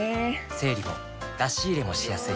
整理も出し入れもしやすい